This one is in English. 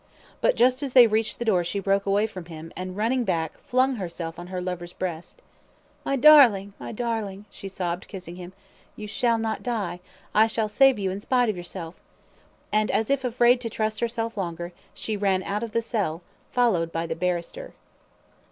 But just as they reached the door she broke away from him, and, running back, flung herself on her lover's breast. "My darling! My darling!" she sobbed, kissing him, "you shall not die. I shall save you in spite of yourself;" and, as if afraid to trust herself longer, she ran out of the cell, followed by the barrister.